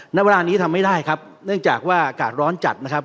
ณเวลานี้ทำไม่ได้ครับเนื่องจากว่าอากาศร้อนจัดนะครับ